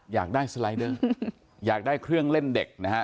อยากได้สไลเดอร์อยากได้เครื่องเล่นเด็กนะฮะ